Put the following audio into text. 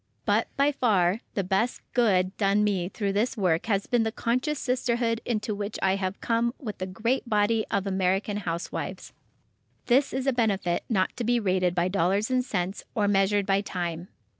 But, by far, the best "good" done me through this work has been the conscious sisterhood into which I have come with the great body of American housewives. This is a benefit not to be rated by dollars and cents, or measured by time.